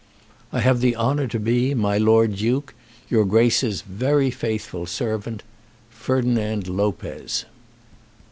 I have the honour to be, My Lord Duke, Your Grace's very faithful Servant, FERDINAND LOPEZ.